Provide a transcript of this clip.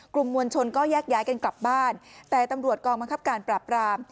กลุ่มมวลชนก็แยกย้ายกันกลับบ้านแต่ตำรวจกองบังคับการปราบราม